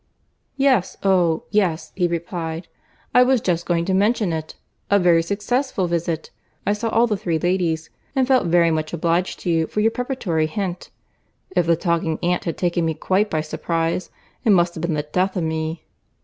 "Yes, oh! yes"—he replied; "I was just going to mention it. A very successful visit:—I saw all the three ladies; and felt very much obliged to you for your preparatory hint. If the talking aunt had taken me quite by surprize, it must have been the death of me.